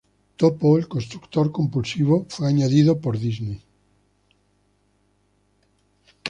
Topo, el constructor compulsivo, fue añadido por Disney.